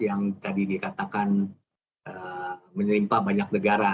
yang tadi dikatakan menimpa banyak negara